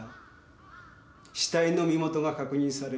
死体の身元が確認されました。